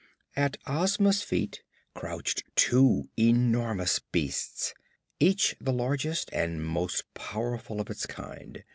At Ozma's feet crouched two enormous beasts, each the largest and most powerful of its kind.